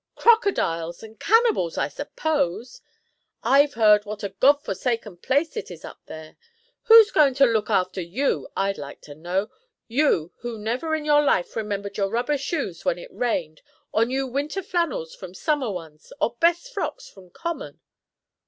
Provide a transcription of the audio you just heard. "Crocodiles and cannibals, I suppose! I've heard what a God forsaken place it is up there. Who's going to look after you, I'd like to know? you, who never in your life remembered your rubber shoes when it rained, or knew winter flannels from summer ones, or best frocks from common?"